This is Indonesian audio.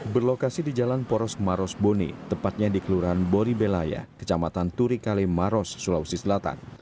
berlokasi di jalan poros maros bone tepatnya di kelurahan boribelaya kecamatan turikale maros sulawesi selatan